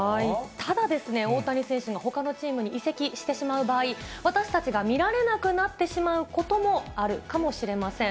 ただですね、大谷選手がほかのチームに移籍してしまう場合、私たちが見られなくなってしまうこともあるかもしれません。